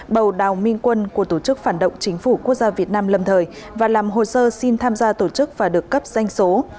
bầu đào minh quân của tổ chức phản động chính phủ quốc gia việt nam lâm thời và làm hồ sơ xin tham gia tổ chức và được cấp danh số